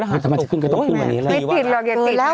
มันจะขึ้นตรงคืนอะไรหรือวะนะโอ๊ยแม่ไม่ติดหรอกอย่าติดนะ